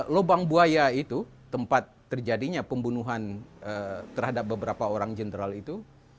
lubang buaya itu tempat terjadinya pembunuhan terhadap beberapa orang jenderal itu